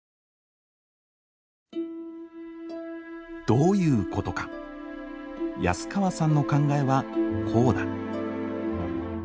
どういうことか安川さんの考えはこうだ。